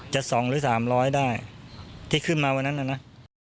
จะสองหรือสามล้อยได้ที่ขึ้นมาวันนั้นน่ะนะ